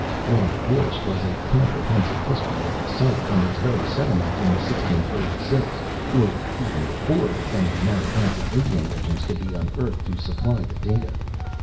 What I wished was a comprehensive history of the site from its very settlement in 1636 or even before, if any Narragansett Indian legend could be unearthed to supply the data.